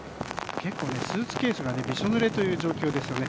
スーツケースがびしょぬれという状況ですね。